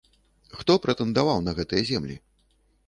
Хто прэтэндаваў на гэтыя землі?